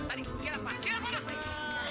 ah ini yang namanya mengintai